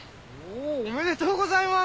おおおめでとうございます！